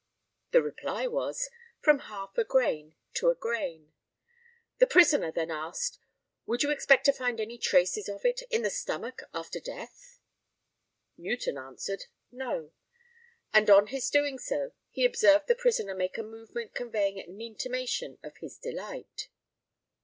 The reply was, "From half a grain to a grain." The prisoner then asked, "Would you expect to find any traces of it in the stomach after death;" Newton answered, "No;" and, on his doing so, he observed the prisoner make a movement conveying an intimation of his delight.